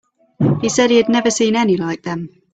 He said he had never seen any like them.